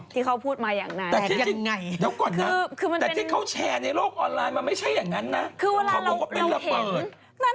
ที่เขาพูดมาอย่างนั้นแต่ที่เขาแชร์ในโลกออนไลน์มันไม่ใช่อย่างนั้นนะคือเขาบอกว่าเป็นระเบิด